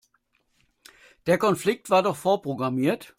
Der Konflikt war doch vorprogrammiert.